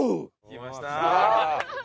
きました！